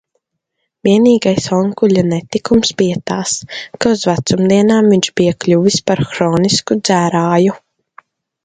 Vienīgais onkuļa netikums bija tas, ka uz vecumdienām viņš bija kļuvis par hronisku dzērāju.